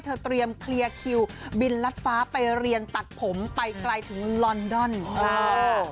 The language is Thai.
เตรียมเคลียร์คิวบินรัดฟ้าไปเรียนตัดผมไปไกลถึงลอนดอน